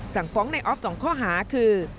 สั่งฟ้องในออฟ๒ข้อหาคือ